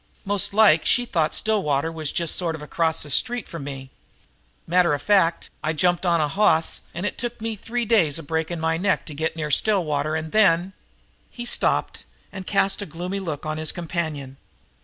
Most like she thought Stillwater was just sort of across the street from me. Matter of fact, I jumped on a hoss, and it took me three days of breaking my neck to get near Stillwater and then " He stopped and cast a gloomy look on his companion.